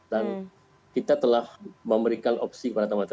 dan kita telah memberikan opsi